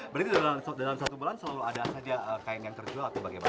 berarti dalam satu bulan selalu ada saja kain yang terjual atau bagaimana